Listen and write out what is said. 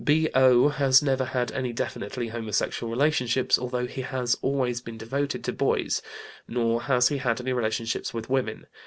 B.O. has never had any definitely homosexual relationships, although he has always been devoted to boys; nor has he had any relationships with women.